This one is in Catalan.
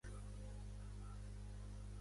Va refusar i preferir la carrera militar.